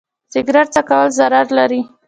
سګرټ څکول ضرر لري.